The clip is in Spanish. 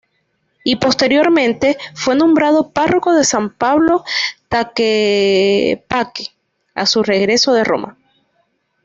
Y posteriormente, fue nombrado párroco de San Pedro Tlaquepaque a su regreso de Roma.